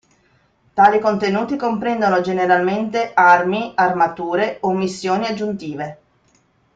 Tali contenuti comprendono generalmente armi, armature o missioni aggiuntive.